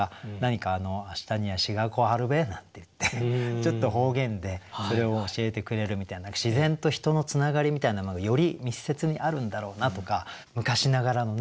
ちょっと方言でそれを教えてくれるみたいな自然と人のつながりみたいなものがより密接にあるんだろうなとか昔ながらのね